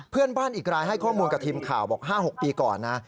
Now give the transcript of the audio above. เพื่อนบ้านอีกรายให้ข้อมูลกับทีมข่าวบอก๕๖ปีก่อนนะ